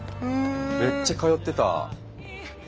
めっちゃ通ってた。